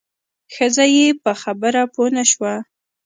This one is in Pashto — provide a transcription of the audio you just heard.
ښځه یې په خبره پوه نه شوه.